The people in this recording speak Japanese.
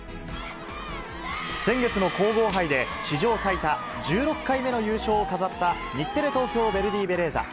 先月の皇后杯で、史上最多１６回目の優勝を飾った日テレ・東京ヴェルディベレーザ。